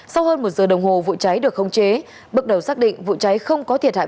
sau hơn một giờ đồng hồ vụ cháy được không chế bước đầu xác định vụ cháy không có thiệt hại